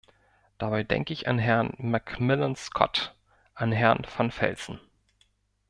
Dabei denke ich an Herrn McMillan-Scott, an Herrn van Velzen.